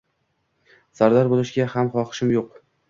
Sardor bo‘lishga ham xohishim yo‘q.